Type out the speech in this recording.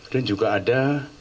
dan juga ada